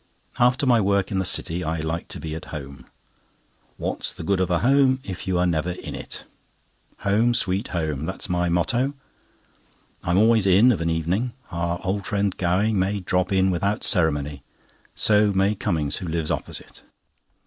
After my work in the City, I like to be at home. What's the good of a home, if you are never in it? "Home, Sweet Home," that's my motto. I am always in of an evening. Our old friend Gowing may drop in without ceremony; so may Cummings, who lives opposite.